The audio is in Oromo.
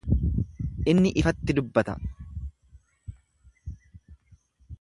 Inni ifatti dubbata.